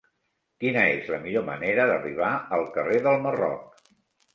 Quina és la millor manera d'arribar al carrer del Marroc?